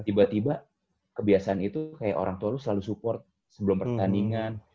tiba tiba kebiasaan itu kayak orang tua lu selalu support sebelum pertandingan